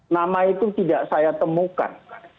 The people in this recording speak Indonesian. nama itu tidak saya temukan